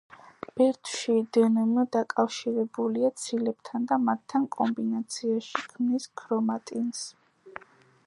ბირთვში, დნმ დაკავშირებულია ცილებთან და მათთან კომბინაციაში ქმნის ქრომატინს.